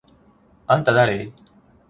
あんただれ？！？